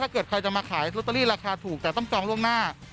เกิดใครจะมาขายลอตเตอรี่ราคาถูกแต่ต้องจองล่วงหน้า